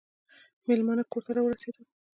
مېلمانه کور ته راورسېدل .